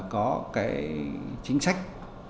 có chính sách